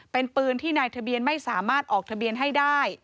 เป็นปืนที่นายทะเบียนไม่สามารถออกทะเบียนให้ได้